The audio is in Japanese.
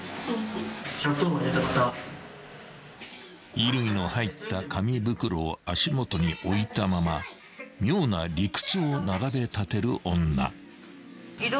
［衣類の入った紙袋を足元に置いたまま妙な理屈を並べ立てる女］